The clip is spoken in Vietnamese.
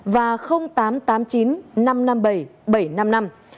và tám trăm tám mươi chín năm trăm năm mươi bảy bảy trăm năm mươi năm